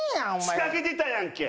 仕掛けてたやんけ！